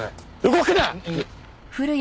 動くな！